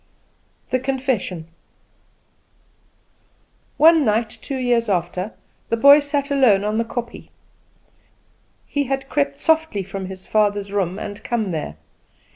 The Confession. One night, two years after, the boy sat alone on the kopje. He had crept softly from his father's room and come there.